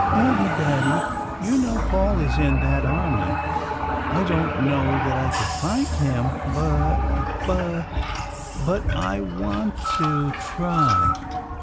And, Daddy, you know Paul is in that army. I don't know that I could find him, but but but I want to try.